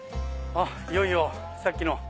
いよいよさっきの。